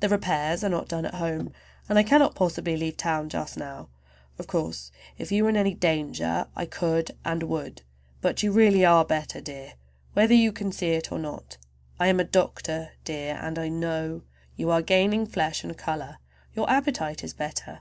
"The repairs are not done at home, and I cannot possibly leave town just now. Of course if you were in any danger I could and would, but you really are better, dear, whether you can see it or not. I am a doctor, dear, and I know. You are gaining flesh and color, your appetite is better.